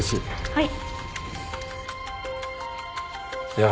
はい。